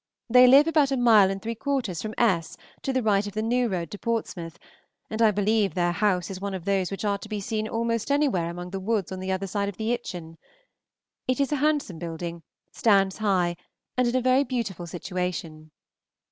They live about a mile and three quarters from S. to the right of the new road to Portsmouth, and I believe their house is one of those which are to be seen almost anywhere among the woods on the other side of the Itchen. It is a handsome building, stands high, and in a very beautiful situation.